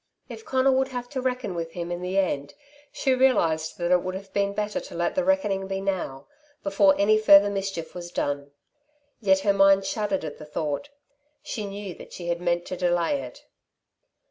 If Conal would have to reckon with him in the end, she realised that it would have been better to let the reckoning be now, before any further mischief was done. Yet her mind shuddered at the thought. She knew that she had meant to delay it.